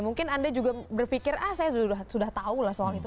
mungkin anda juga berpikir ah saya sudah tahu lah soal itu